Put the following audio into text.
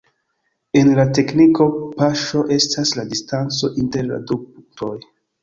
En la tekniko paŝo estas la distanco inter du punktoj.